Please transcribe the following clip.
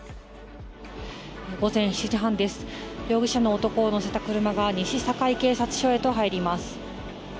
午前７時半です、容疑者の男を乗せた車が西堺警察署へと入ります。